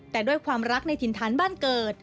แต่ด้วยความรักในถิ่นฐานบ้านเกิด